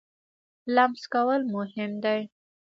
لمس کول مهم دی.